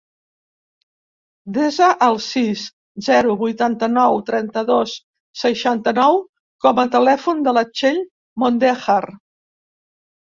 Desa el sis, zero, vuitanta-nou, trenta-dos, seixanta-nou com a telèfon de la Txell Mondejar.